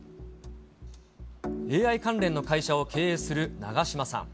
ＡＩ関連の会社を経営する長島さん。